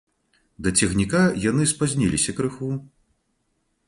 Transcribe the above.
Да цягніка яны спазніліся крыху.